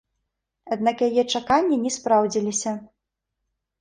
Аднак яе чаканні не спраўдзіліся.